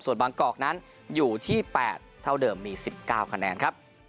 ส่วนบางกอกนั้นอยู่ที่๘เท่าเดิมมี๑๙คะแนนครับ